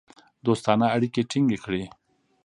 دوستانه اړیکې ټینګ کړې.